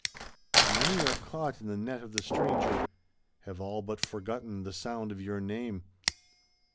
"And many are caught in the net of the stranger — Have all but forgotten the sound of your name.